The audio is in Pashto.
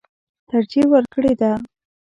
ترجېح ورکړې ده.